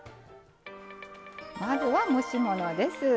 まずは、蒸し物です。